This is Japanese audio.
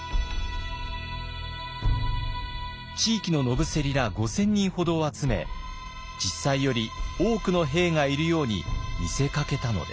地域の野伏ら５，０００人ほどを集め実際より多くの兵がいるように見せかけたのです。